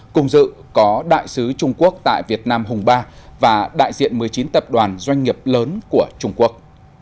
cùng dự có đại sứ trung quốc tại việt nam hùng ba và đại diện một mươi chín tập đoàn doanh nghiệp lớn của trung quốc